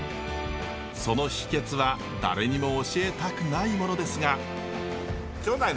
その秘けつは誰にも教えたくないものですが。